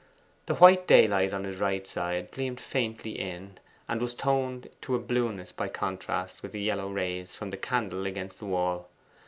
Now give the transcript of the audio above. The white daylight on his right side gleamed faintly in, and was toned to a blueness by contrast with the yellow rays from the candle against the wall.